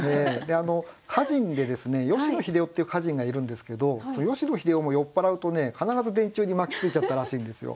歌人でですね吉野秀雄っていう歌人がいるんですけどその吉野秀雄も酔っ払うとね必ず電柱に巻きついちゃったらしいんですよ。